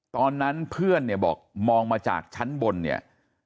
ตอนนั้นเพื่อนเนี่ยบอกมองมาจากชั้นบนเนี่ย